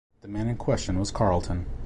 The man in question was Carlton.